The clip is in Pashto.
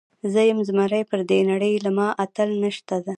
زۀ يم زمری پر دې نړۍ له ما اتل نيشته